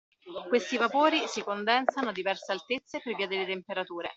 Questi vapori si condensano a diverse altezze per via delle temperature.